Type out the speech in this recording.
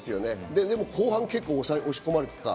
でも後半、結構押し込まれた。